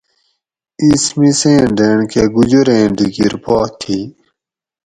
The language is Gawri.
اِس مِسیں ڈینڑ کٞہ گُجُریں ڈِکِر پا تھی